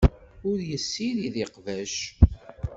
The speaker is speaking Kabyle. Ur yessirid iqbac.